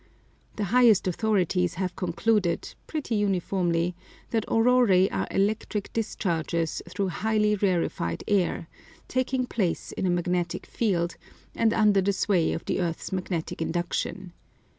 The highest authorities have concluded, pretty uniformly, that auroræ are electric discharges through highly rarefied air, taking place in a magnetic field, and under the sway of the earth's magnetic induction.